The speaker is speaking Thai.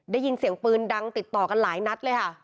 ได้ยินเสียงปืนดังติดต่อกันหลายนัดเลยค่ะ